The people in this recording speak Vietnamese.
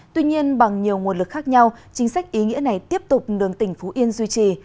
tuy nhiên bằng nhiều nguồn lực khác nhau chính sách ý nghĩa này tiếp tục đường tỉnh phú yên duy trì